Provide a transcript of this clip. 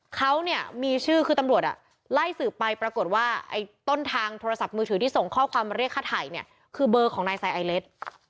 เขาเนี่ยมีชื่อคือตำรวจไล่สืบไปปรากฏว่าไอ้ต้นทางโทรศัพท์มือถือที่ส่งข้อความมาเรียกค่าถ่ายเนี่ยคือเบอร์ของนายไซไอเล็ก